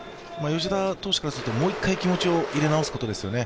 吉田投手からするともう一回気持ちを入れ直すことですよね。